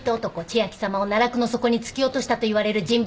千明さまを奈落の底に突き落としたといわれる人物です。